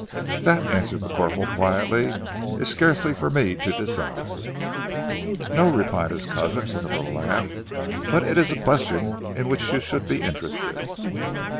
"That," answered the corporal quietly, "is scarcely for me to decide." "No," replied his cousin with a little laugh, "but it is a question in which you should be interested."